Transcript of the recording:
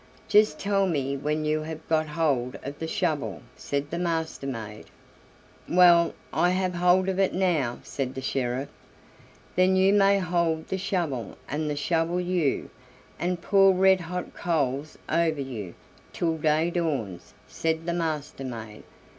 "Just tell me when you have got hold of the shovel," said the Master maid. "Well, I have hold of it now," said the sheriff. "Then you may hold the shovel, and the shovel you, and pour red hot coals over you, till day dawns," said the Master maid.